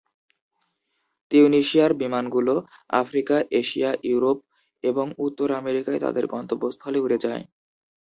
তিউনিশিয়ার বিমানগুলো Africa, Asia, Europe এবং উত্তর আমেরিকায় তাদের গন্তব্যস্থলে উড়ে যায়।